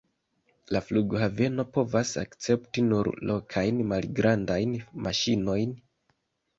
La flughaveno povas akcepti nur lokajn malgrandajn maŝinojn.